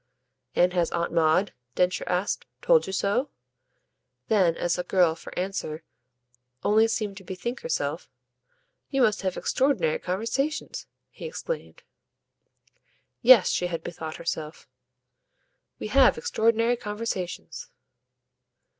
"And has Aunt Maud," Densher asked, "told you so?" Then as the girl, for answer, only seemed to bethink herself, "You must have extraordinary conversations!" he exclaimed. Yes, she had bethought herself. "We have extraordinary conversations."